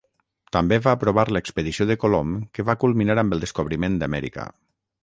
També va aprovar l'expedició de Colom que va culminar amb el descobriment d'Amèrica.